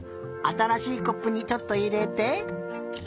あたらしいコップにちょっといれて。